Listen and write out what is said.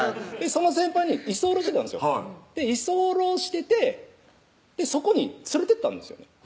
その先輩に居候してたんですよ居候しててそこに連れてったんですよね